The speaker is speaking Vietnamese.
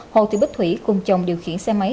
hồ thị bích thủy cùng chồng điều khiển xe máy